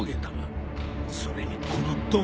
それにこの毒霧。